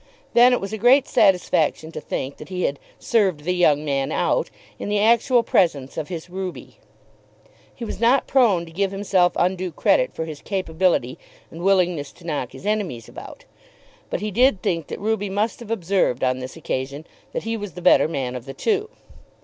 Then it was a great satisfaction to think that he had "served the young man out" in the actual presence of his Ruby. He was not prone to give himself undue credit for his capability and willingness to knock his enemies about; but he did think that Ruby must have observed on this occasion that he was the better man of the two.